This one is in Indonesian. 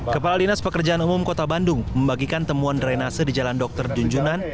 kepala dinas pekerjaan umum kota bandung membagikan temuan drainase di jalan dr junjunan